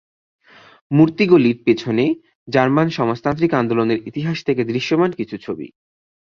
মূর্তিগুলির পিছনে জার্মান সমাজতান্ত্রিক আন্দোলনের ইতিহাস থেকে দৃশ্যমান কিছু ছবি।